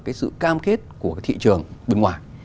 cái sự cam kết của thị trường bên ngoài